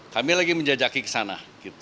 kami lagi menjajaki ke sana